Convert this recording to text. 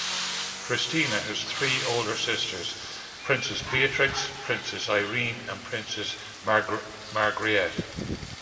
Christina has three older sisters: Princess Beatrix, Princess Irene and Princess Margriet.